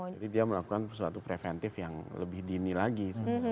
jadi dia melakukan sesuatu preventif yang lebih dinilai